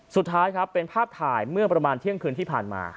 สุดท้ายครับเป็นภาพถ่ายเมื่อประมาณเที่ยงคืนที่ผ่านมา